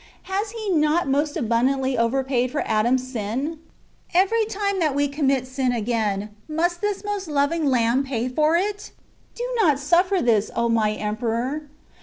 Has He not most abundantly over paid for Adam^s sin ? Every time that we commit sin again, must this most loving Lamb pay for it ? Do not suflfer this, O my Emperor